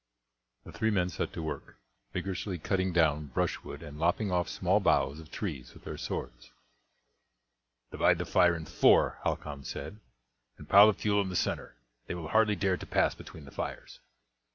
The three men set to work, vigourously cutting down brushwood and lopping off small boughs of trees with their swords. "Divide the fire in four," Halcon said, "and pile the fuel in the centre; they will hardly dare to pass between the fires."